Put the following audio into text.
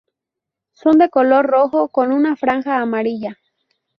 Son de color rojo con una franja amarilla.